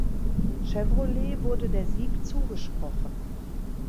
Chevrolet wurde der Sieg zugesprochen.